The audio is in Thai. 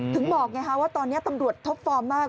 ถึงบอกไงฮะว่าตอนนี้ตำรวจท็ปฟอร์มมาก